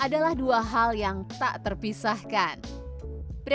semakin banyak atau tetepkan sampai diberi